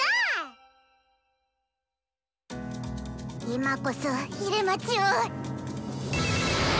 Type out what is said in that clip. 今こそ入間ちを。